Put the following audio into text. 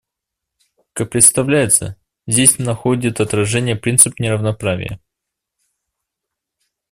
Как представляется, здесь находит отражение принцип неравноправия.